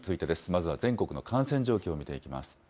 まずは全国の感染状況を見ていきます。